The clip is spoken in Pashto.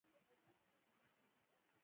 د پښتنو په کلتور کې د نسب پیژندنه مهمه ده.